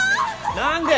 何で！